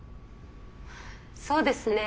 そうですね。